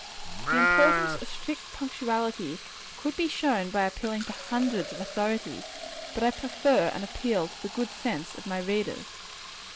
The importance of strict punctuality could be shown by appealing to hundreds of authorities; but I prefer an appeal to the good sense of my readers.